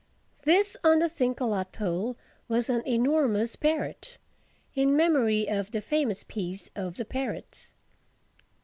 This, on the Thinkalot pole, was an enormous parrot, in memory of the famous Peace of the Parrots.